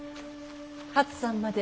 初さんまで。